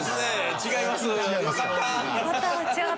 違いますか。